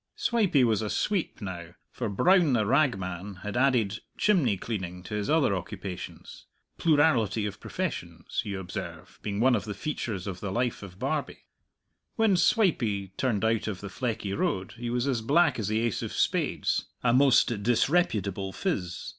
Swipey was a sweep now, for Brown the ragman had added chimney cleaning to his other occupations plurality of professions, you observe, being one of the features of the life of Barbie. When Swipey turned out of the Fleckie Road he was as black as the ace of spades, a most disreputable phiz.